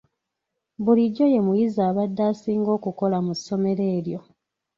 Bulijjo ye muyizi abadde asinga okukola mu ssomero eryo.